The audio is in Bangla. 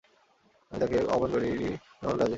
আমি তাঁকে আহ্বান করি নি আমার কাজে।